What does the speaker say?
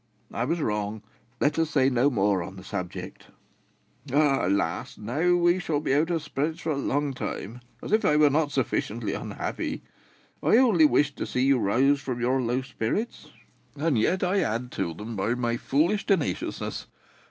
I was wrong; let us say no more on the subject." "Alas! now we shall be out of spirits for a long time, as if I were not sufficiently unhappy! I only wished to see you roused from your low spirits, and yet I add to them by my foolish tenaciousness.